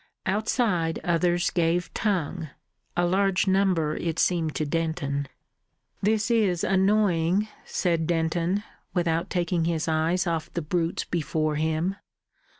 Outside others gave tongue a large number it seemed to Denton. "This is annoying," said Denton, without taking his eye off the brutes before him.